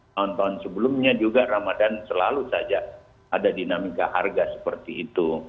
tahun tahun sebelumnya juga ramadan selalu saja ada dinamika harga seperti itu